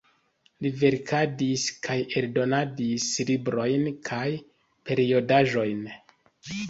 Li verkadis kaj eldonadis librojn kaj periodaĵojn.